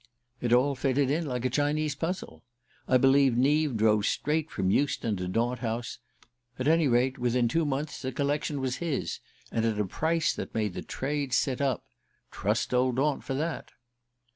It all fitted in like a Chinese puzzle. I believe Neave drove straight from Euston to Daunt House: at any rate, within two months the collection was his, and at a price that made the trade sit up. Trust old Daunt for that!